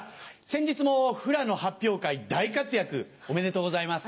先日もフラの発表会大活躍おめでとうございます。